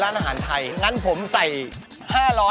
อาหารไทยงั้นผมใส่๕๐๐บาท